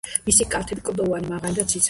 მისი კალთები კლდოვანი, მაღალი და ციცაბოა.